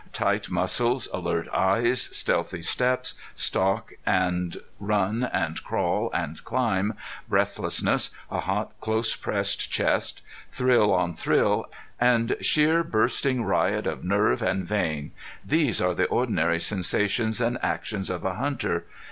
Tight muscles, alert eyes, stealthy steps, stalk and run and crawl and climb, breathlessness, a hot close pressed chest, thrill on thrill, and sheer bursting riot of nerve and vein these are the ordinary sensations and actions of a hunter.